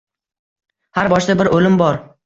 Har boshda bir o’lim bor.